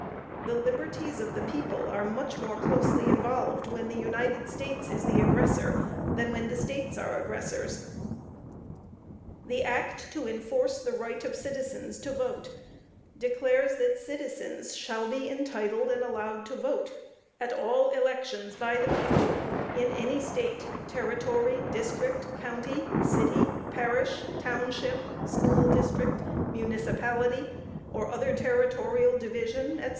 The liberties of the people are much more closely involved when the United States is the aggressor, than when the States are aggressors. "The Act to Enforce the right of citizens to vote," declares that CITIZENS shall be entitled and allowed to vote at all elections by the people, in any state, territory, district, county, city, parish, township, school district, municipality, or other territorial division, &c.